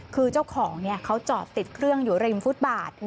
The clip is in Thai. คือเจ้าของเขาจอดติดเครื่องอยู่ริมฟุตบาท